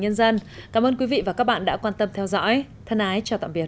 nhân dân cảm ơn quý vị và các bạn đã quan tâm theo dõi thân ái chào tạm biệt